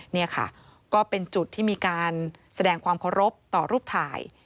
นี่ค่ะก็เป็นจุดที่มีการแสดงความเคารพต่อรูปถ่าย